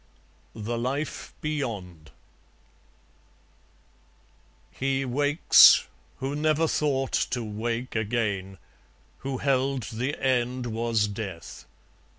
The Life Beyond He wakes, who never thought to wake again, Who held the end was Death.